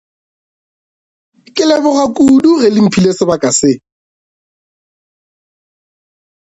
Ke leboga kudu ge le mphile sebaka se.